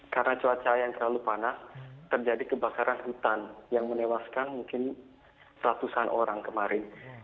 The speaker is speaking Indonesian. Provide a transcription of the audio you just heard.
karena cuaca yang terlalu panas terjadi kebakaran hutan yang menewaskan mungkin ratusan orang kemarin